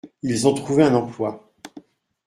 Ils ont trouvé un emploi.